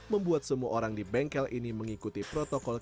membuat semua orang di bengkel ini mengikuti protokol kesehatan